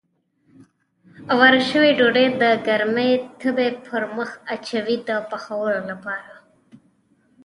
اواره شوې ډوډۍ د ګرمې تبۍ پر مخ اچوي د پخولو لپاره.